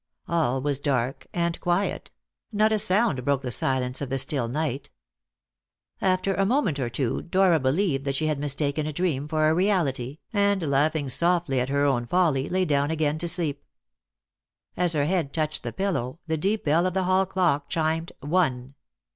All was dark and quiet: not a sound broke the silence of the still night. After a moment or two, Dora believed that she had mistaken a dream for a reality, and, laughing softly at her own folly, lay down again to sleep. As her head touched the pillow, the deep bell of the hall clock chimed "one."